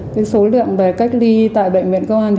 cái số lượng về cách ly tại bệnh viện công an hà nội